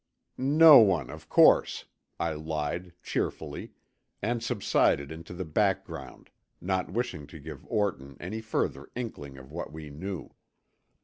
"No one, of course," I lied cheerfully, and subsided into the background, not wishing to give Orton any further inkling of what we knew.